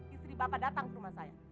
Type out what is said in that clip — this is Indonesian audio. istri bapak datang ke rumah saya